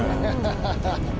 「ハハハハハ」